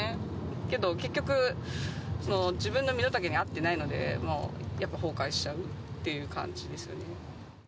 けど結局、自分の身の丈に合ってないので、やっぱ崩壊しちゃうっていう感じですよね。